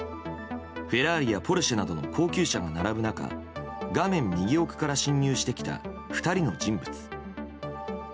フェラーリやポルシェなどの高級車が並ぶ中画面右奥から侵入してきた２人の人物。